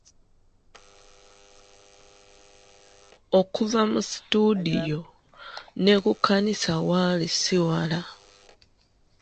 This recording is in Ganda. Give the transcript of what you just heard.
Okuva mu situdiyo, ne ku kkanisa waali ssi wala.